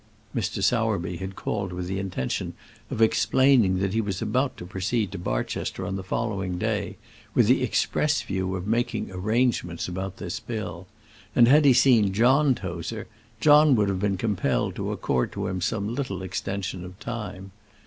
Mr. Sowerby had called with the intention of explaining that he was about to proceed to Barchester on the following day with the express view of "making arrangements" about this bill; and had he seen John Tozer, John would have been compelled to accord to him some little extension of time.